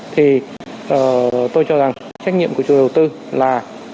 thì tôi cho rằng trách nhiệm của chủ đầu tư là